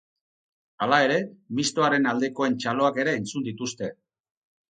Hala ere, mistoaren aldekoen txaloak ere entzun dituzte.